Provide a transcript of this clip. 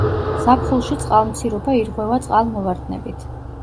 ზაფხულში წყალმცირობა ირღვევა წყალმოვარდნებით.